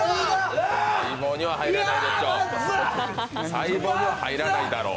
細胞には入らないだろう。